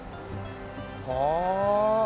はあ。